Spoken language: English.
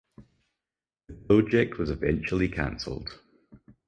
The project was eventually cancelled.